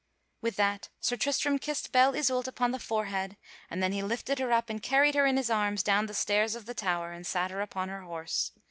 With that Sir Tristram kissed Belle Isoult upon the forehead, and then he lifted her up and carried her in his arms down the stairs of the tower and sat her upon her horse.